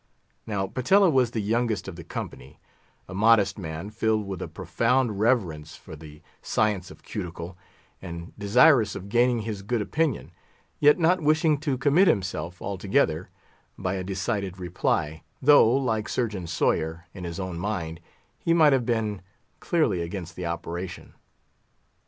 Now Patella was the youngest of the company, a modest man, filled with a profound reverence for the science of Cuticle, and desirous of gaining his good opinion, yet not wishing to commit himself altogether by a decided reply, though, like Surgeon Sawyer, in his own mind he might have been clearly against the operation.